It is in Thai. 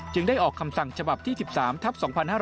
ได้ออกคำสั่งฉบับที่๑๓ทัพ๒๕๕๙